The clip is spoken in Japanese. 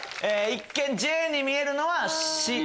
一見「Ｊ」に見えるのは「し」。